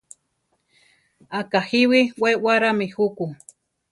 Akajíwi we warámi juku.